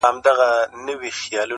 د انصاف په تله خپل او پردي واړه،